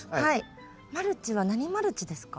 マルチは何マルチですか？